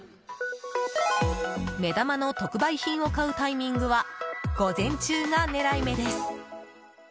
目玉の特売品を買うタイミングは午前中が狙い目です。